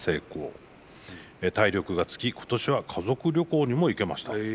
体力がつき今年は家族旅行にも行けました。